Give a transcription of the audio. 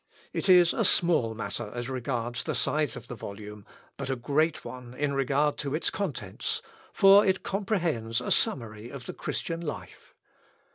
It is a small matter as regards the size of the volume, but a great one in regard to its contents, for it comprehends a summary of the Christian life.